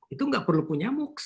itu nggak perlu punya moocs